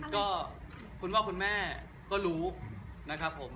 ก็คุณพ่อคุณแม่ก็รู้นะครับผม